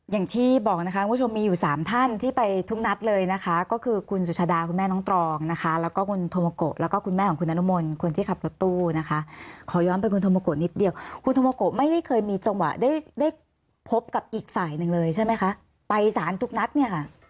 อย่างที่บอกนะคะคุณผู้ชมมีอยู่สามท่านที่ไปทุกนัดเลยนะคะก็คือคุณสุชาดาคุณแม่น้องตรองนะคะแล้วก็คุณโทโมโกะแล้วก็คุณแม่ของคุณนรมนคนที่ขับรถตู้นะคะขอย้อนไปคุณโมโกะนิดเดียวคุณโมโกะไม่ได้เคยมีจังหวะได้ได้พบกับอีกฝ่ายหนึ่งเลยใช่ไหมคะไปสารทุกนัดเนี่ยค่ะ